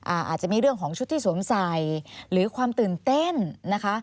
อาจจะมีเรื่องของชุดที่สวมใส่หรือความตื่นเต้นนะคะ